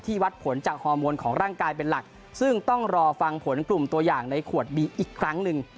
วัดผลจากฮอร์โมนของร่างกายเป็นหลักซึ่งต้องรอฟังผลกลุ่มตัวอย่างในขวดบีอีกครั้งหนึ่ง